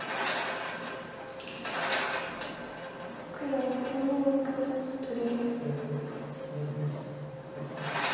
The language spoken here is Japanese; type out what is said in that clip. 黒４の六取り。